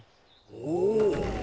おお！